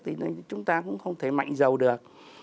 thì chúng ta cũng không thể mạnh giàu được